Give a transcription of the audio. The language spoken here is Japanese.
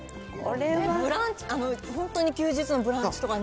本当に休日のブランチとかね。